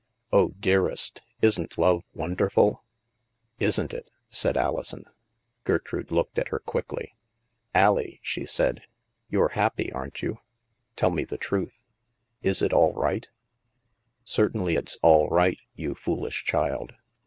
Oh, dearest, isn't love wonderful?" ''Isn't it? "said Alison. Gertrude looked at her quickly. " AUie," she said, " you're happy, aren't you ? Tell me the truth. Is it all right ?"" Certainly it's ' all right,' you foolish child.